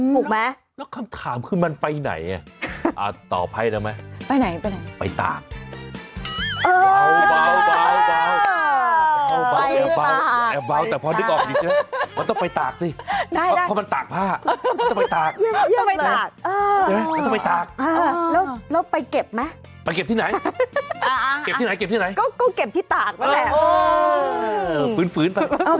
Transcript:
ถูกไหมแล้วคำถามคือมันไปไหนอ่ะตอบให้ได้ไหมไปไหนไปไหน